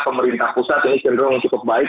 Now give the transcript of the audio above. pemerintah pusat ini cenderung cukup baik